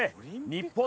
日本